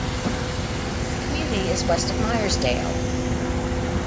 The community is west of Meyersdale.